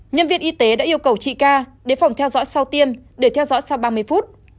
nhân viên y tế đã yêu cầu chị ca đến phòng theo dõi sau tiêm để theo dõi sau ba mươi phút